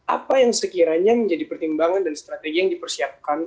apa yang sekiranya menjadi pertimbangan dan strategi yang dipersiapkan